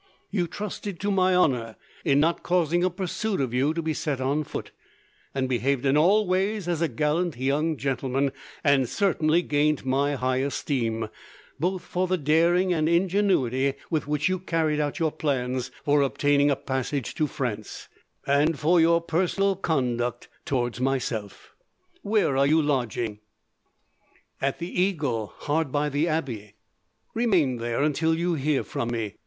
You trusted to my honour, in not causing a pursuit of you to be set on foot, and behaved in all ways as a gallant young gentleman, and certainly gained my high esteem, both for the daring and ingenuity with which you carried out your plans for obtaining a passage to France, and for your personal conduct towards myself. "Where are you lodging?" "At the Eagle, hard by the Abbey." "Remain there, until you hear from me.